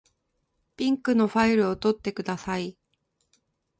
ピンクのファイルを取ってください。